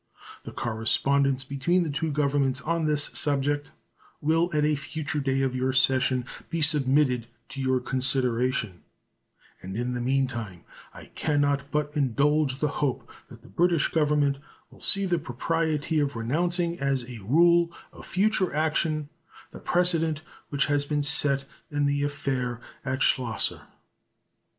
The correspondence between the two Governments on this subject will at a future day of your session be submitted to your consideration; and in the meantime I can not but indulge the hope that the British Government will see the propriety of renouncing as a rule of future action the precedent which has been set in the affair at Schlosser.